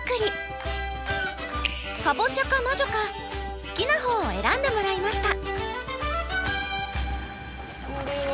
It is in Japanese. かぼちゃかまじょか好きな方を選んでもらいました。